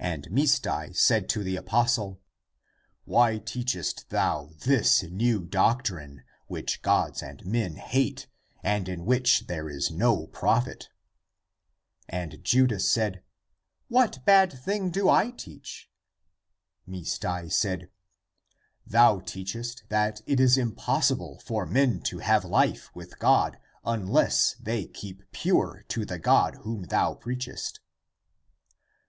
And Misdai said to the apostle, " Why teachest thou this new doctrine, which gods and men hate and in which there is no profit?" And Judas said, "What bad thing do I teach?" Mis dai said, " Thou teachest that it is impossible for men to have life with God unless they keep pure to the God whom thou preachest."